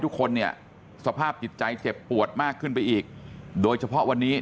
ทุกคนเนี่ยสภาพจิตใจเจ็บปวดมากขึ้นไปอีกโดยเฉพาะวันนี้